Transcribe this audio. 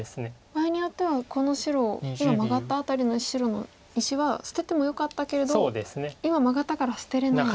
場合によってはこの白を今マガった辺りの白の石は捨ててもよかったけれど今マガったから捨てれない。